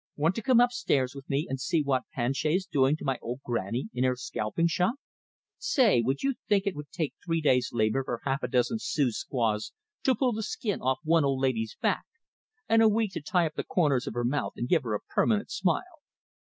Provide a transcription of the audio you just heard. Want to come upstairs with me, and see what Planchet's doing to my old grannie in her scalping shop? Say, would you think it would take three days' labor for half a dozen Sioux squaws to pull the skin off one old lady's back? And a week to tie up the corners of her mouth and give her a permanent smile!